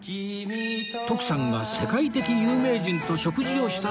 徳さんが世界的有名人と食事をしたあるお店へ